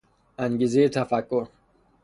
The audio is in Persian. انگیزهی تفکر